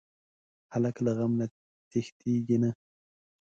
هلک له غم نه تښتېږي نه.